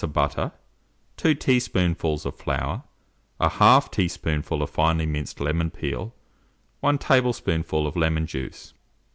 of butter, two teaspoonfuls of flour, 1/2 teaspoonful of finely minced lemon peel, 1 tablespoonful of lemon juice.